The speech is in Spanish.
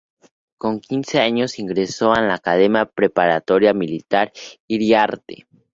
Con quince años ingresó en la Academia preparatoria Militar Iriarte.